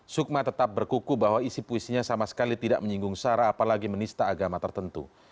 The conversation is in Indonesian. sukma tetap berkuku bahwa isi puisinya sama sekali tidak menyinggung sarah apalagi menista agama tertentu